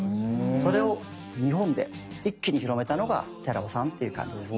それを日本で一気に広めたのが寺尾さんっていう感じです。